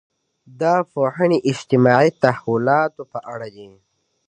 دا پوهنې اجتماعي تحولاتو په اړه دي.